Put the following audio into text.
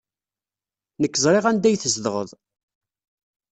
Nekk ẓriɣ anda ay tzedɣeḍ.